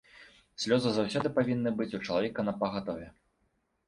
Слёзы заўсёды павінны быць у чалавека напагатове.